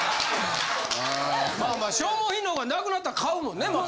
消耗品の方がなくなったら買うもんねまた。